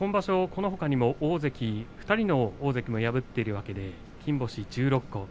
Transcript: このほかにも大関２人の大関も破っているわけですけれど金星１６個。